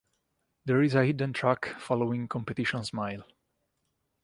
There is a hidden track following "Competition Smile".